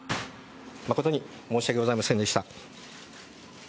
誠に申し訳ございませんでした。